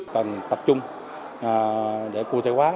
cần tập trung để cụ thể hóa